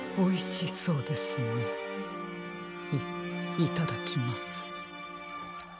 いいただきます。